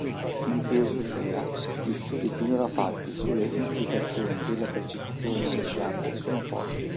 In filosofia, gli studi finora fatti sulle implicazioni della percezione nelle piante sono pochi.